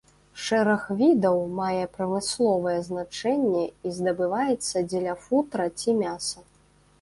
Шэраг відаў мае прамысловае значэнні і здабываецца дзеля футра ці мяса.